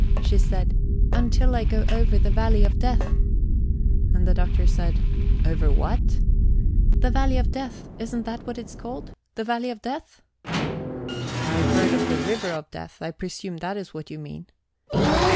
She said: "... until I go over the valley of death." And the Doctor asked: "Over what?" "The valley of death. Isn't that what it's called the valley of death?" "I have heard of the river of death. I presume that is what you mean."